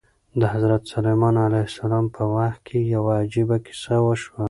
د حضرت سلیمان علیه السلام په وخت کې یوه عجیبه کیسه وشوه.